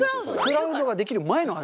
クラウドができる前の話？